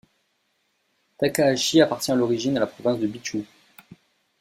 Takahashi appartient à l’origine à la province de Bitchū.